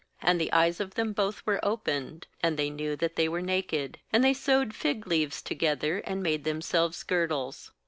7And the eyes of them both were opened, and they knew that they were naked; and they sewed fig leaves together, and made themselves girdles.